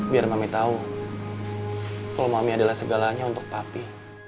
biar mami tahu kalau mami adalah segalanya untuk papi